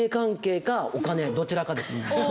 どちらかです。